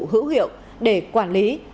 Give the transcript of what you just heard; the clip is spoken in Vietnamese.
hữu hiệu để quản lý